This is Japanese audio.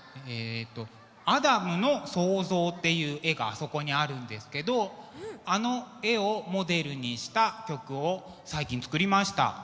えっと「アダムの創造」っていう絵があそこにあるんですけどあの絵をモデルにした曲を最近作りました。